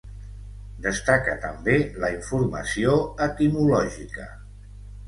Destaca també la informació etimològica.